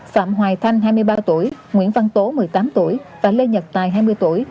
phạm hoài thanh hai mươi ba tuổi nguyễn văn tố một mươi tám tuổi và lê nhật tài hai mươi tuổi